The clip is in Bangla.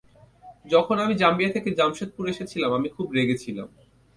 যখন আমি জাম্বিয়া থেকে জামশেদপুর এসেছিলাম, আমি খুব রেগে ছিলাম।